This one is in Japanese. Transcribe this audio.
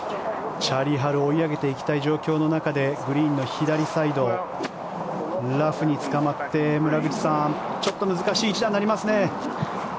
チャーリー・ハル追い上げていきたい状況の中でグリーンの左サイドラフにつかまって村口さん、ちょっと難しい一打になりますね。